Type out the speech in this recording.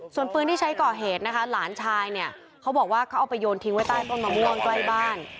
ส่วนปืนที่ใช้ก่อเหตุนะคะหลานชายเนี่ยเขาบอกว่าเขาเอาไปโยนทิ้งไว้ใต้ต้นมะม่วงใกล้บ้าน